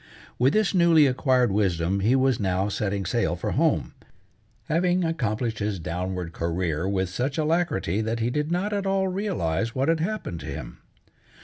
With this newly acquired wisdom he was now setting sail for home, having accomplished his downward career with such alacrity that he did not at all realize what had happened to him.